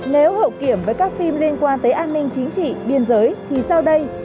nếu hậu kiểm với các phim liên quan tới an ninh chính trị biên giới thì sau đây